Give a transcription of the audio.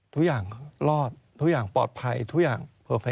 ทุกอย่างรอดทุกอย่างปลอดภัยทุกอย่าง